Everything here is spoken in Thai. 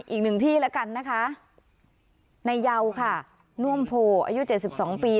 อีกหนึ่งที่แล้วกันนะคะในเยาค่ะน่วมโพอายุ๗๒ปี